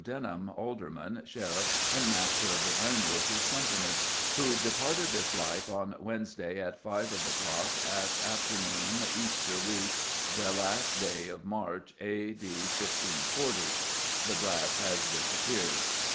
Denham, Alderman, Sheriff, and Master of the Ironworkers' Company, who departed this life "on Wednesday at 5 of ye clok at afternown Ester Weke ye last day of Marche A° D° 1540." The brass has disappeared.